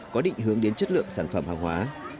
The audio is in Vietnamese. có định hướng đến chất lượng sản phẩm hàng hóa